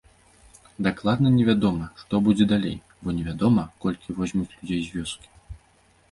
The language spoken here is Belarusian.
Дакладна невядома, што будзе далей, бо невядома, колькі возьмуць людзей з вёскі.